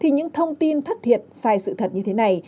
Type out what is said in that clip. những thông tin thất thiệt sai sự thật như thế này